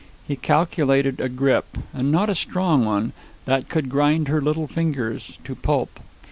He calculated a grip, and not a strong one, that could grind her little fingers to pulp.